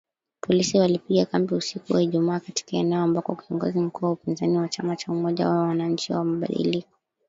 Polisi walipiga kambi usiku wa Ijumaa katika eneo ambako kiongozi mkuu wa upinzani wa chama cha Umoja wa Wananchi wa Mabadiliko,